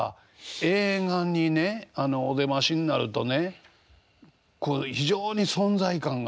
映画にねあのお出ましになるとねこう非常に存在感があるというか。